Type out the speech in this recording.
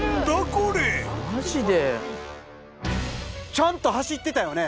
ちゃんと走ってたよね。